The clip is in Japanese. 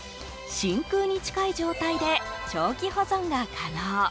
真空に近い状態で長期保存が可能。